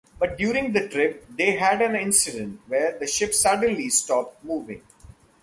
But during the trip, they had an incident where the ship suddenly stopped moving.